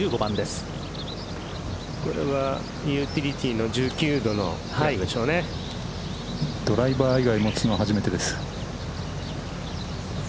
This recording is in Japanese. これはユーティリティーのドライバー以外を持つのは初めてです。